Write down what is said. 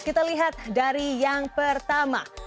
kita lihat dari yang pertama